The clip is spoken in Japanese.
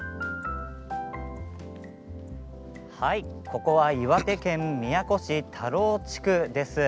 ここは岩手県宮古市田老地区です。